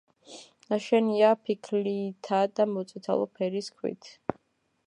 ნაშენია ფიქლითაა და მოწითალო ფერის ქვით.